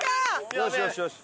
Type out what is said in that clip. よしよしよし。